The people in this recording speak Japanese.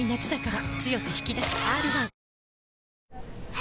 あ！